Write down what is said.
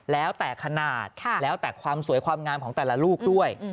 แล้วแต่ขนาดแล้วแต่ความสวยความงามของแต่ละลูกด้วย